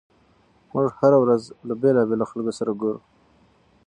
موږ هره ورځ له بېلابېلو خلکو سره ګورو.